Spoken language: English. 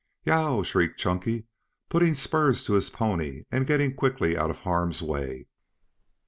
"Yeow!" shrieked Chunky, putting spurs to his pony and getting quickly out of harm's way.